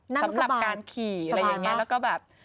สำหรับการขี่อะไรอย่างนี้แล้วก็แบบ